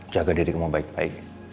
jaga dirimu baik baik